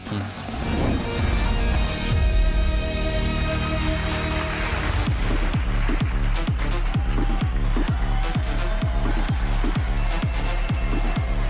ฮู้